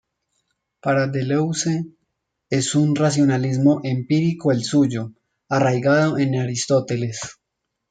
Para Deleuze, es un racionalismo empírico el suyo, arraigado en Aristóteles.